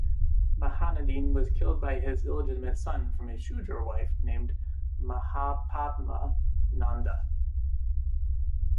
Mahanandin was killed by his illegitimate son from a "Shudra" wife named Mahapadma Nanda.